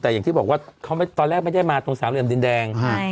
แต่อย่างที่บอกว่าตอนแรกไม่ได้มาตรงสามเหลี่ยมดินแดง